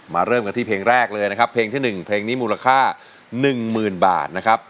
เริ่มกันที่เพลงแรกเลยนะครับเพลงที่๑เพลงนี้มูลค่า๑๐๐๐บาทนะครับ